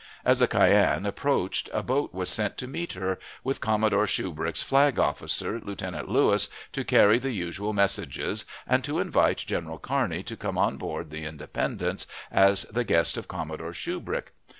As the Cyane approached, a boat was sent to meet her, with Commodore Shubrick's flag officer, Lieutenant Lewis, to carry the usual messages, and to invite General Kearney to come on board the Independence as the guest of Commodore Shubrick.